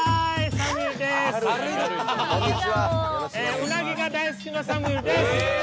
うなぎが大好きなサミュエルです。